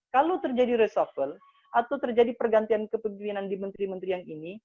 kalau terjadi reshuffle atau terjadi pergantian kepemimpinan di menteri menteri yang ini